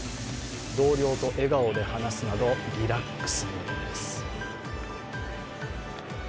同僚と笑顔で話すなど、リラックスムードです。